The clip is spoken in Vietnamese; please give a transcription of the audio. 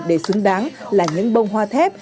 để xứng đáng là những bông hoa thép